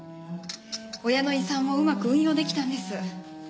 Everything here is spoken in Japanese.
親の遺産をうまく運用出来たんです。